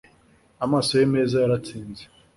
Amaso ye meza yaratsinze